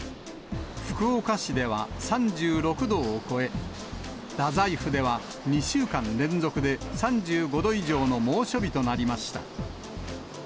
福岡市では３６度を超え、太宰府では２週間連続で３５度以上の猛暑日となりました。